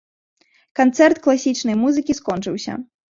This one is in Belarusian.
Канцэрт класічнай музыкі скончыўся.